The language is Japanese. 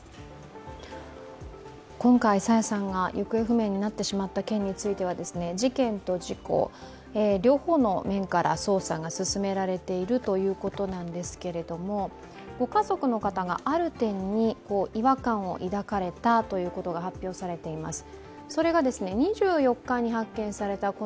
今回朝芽さんが行方不明になってしまった件については事件と事故、両方の面から捜査が進められているということなんですけれどもご家族の方がある点に違和感を抱かれたということが発表されています。